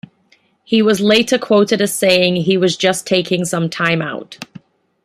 He was later quoted as saying he was just taking some time out.